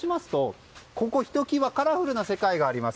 ひときわカラフルな世界があります。